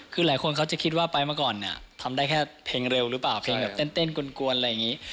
คือหลายคนเขาจะคิดว่าไปมาก่อนเนี่ยทำได้แค่เพลงเร็วหรือเปล่าเพลงแบบเต้นกวนอะไรอย่างนี้